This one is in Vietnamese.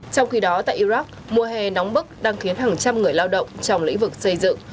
trong khi đó tại iraq mùa hè nóng bức đang khiến hàng trăm người lao động trong lĩnh vực xây dựng